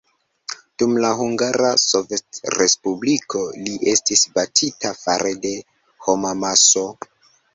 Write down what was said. Dum la Hungara Sovetrespubliko li estis batita fare de homamaso.